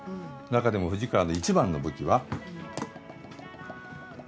中でも富士川の一番の武器は。